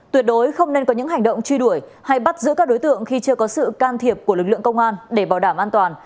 tuyệt đối không nên có những hành động truy đuổi hay bắt giữ các đối tượng khi chưa có sự can thiệp của lực lượng công an để bảo đảm an toàn